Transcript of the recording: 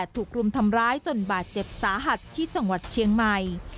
ถูกรุมทำร้ายจนบาดเจ็บสาหัสที่จังหวัดเชียงใหม่